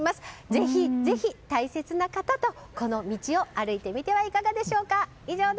ぜひぜひ大切な方とこの道を歩いてみてはいかがでしょうか？